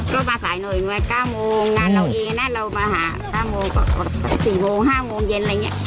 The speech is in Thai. ก็มาสายหน่อย๙โมงงานเราเองนะเรามาหา๙๔โมง๕โมงเย็นอะไรอย่างนี้